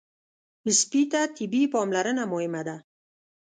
سپي ته طبي پاملرنه مهمه ده.